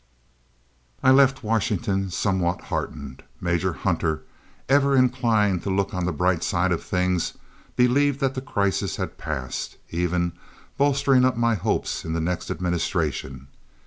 I left Washington somewhat heartened. Major Hunter, ever inclined to look on the bright side of things, believed that the crisis had passed, even bolstering up my hopes in the next administration.